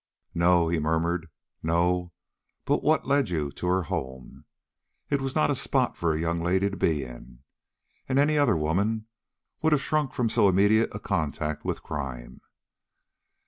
"No," he murmured, "no; but what led you to her home? It was not a spot for a young lady to be in, and any other woman would have shrunk from so immediate a contact with crime."